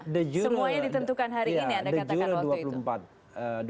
semuanya ditentukan hari ini ya anda katakan waktu itu